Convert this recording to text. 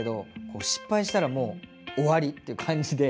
失敗したらもう終わりって感じで。